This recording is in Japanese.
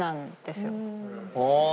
ああ！